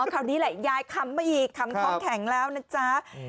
คราวนี้แหละยายคำมาอีกคำท้องแข็งแล้วนะจ๊ะ